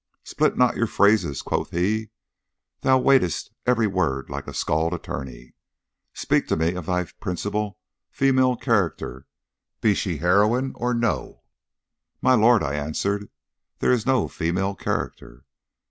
'Split not your phrases,' quoth he; 'thou weighest every word like a scald attorney. Speak to me of thy principal female character, be she heroine or no.' 'My lord,' I answered, 'there is no female character.